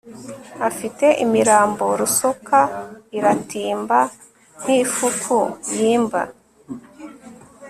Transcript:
afite imirambo Rusoka iratimba nkifuku yimba